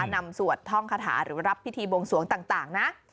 นำสวดท่องคาถาหรือรับพิธีบวงสวงต่างนะ